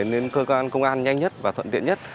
đến cơ quan công an nhanh nhất và thuận tiện nhất